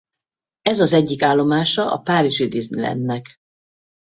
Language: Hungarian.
Ez az egyik állomása a Párizsi Disneylandnak.